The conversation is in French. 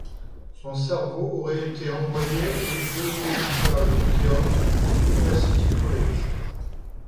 Son cerveau aurait été envoyé au Zoological Museum of University College.